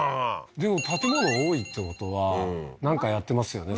でも建物多いってことはなんかやってますよね